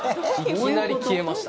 いきなり消えました。